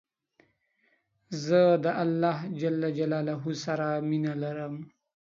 زه د الله ج سره مينه لرم